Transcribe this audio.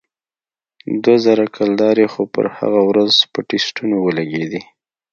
دوه زره کلدارې خو پر هغه ورځ په ټسټونو ولگېدې.